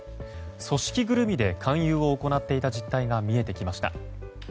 組織ぐるみで勧誘を行っていた実態が見えてきました。